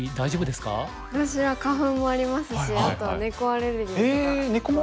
私は花粉もありますしあと猫アレルギーとか。